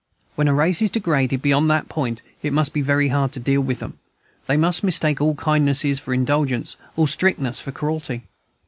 When a race is degraded beyond that point it must be very hard to deal with them; they must mistake all kindness for indulgence, all strictness for cruelty.